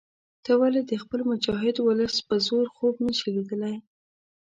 ته ولې د خپل مجاهد ولس په زور خوب نه شې لیدلای.